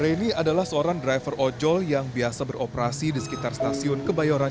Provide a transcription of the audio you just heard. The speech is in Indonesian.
leni adalah seorang driver ojol yang biasa beroperasi di sekitar stasiun kebayoran